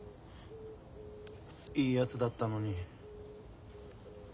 いいやつだったのに。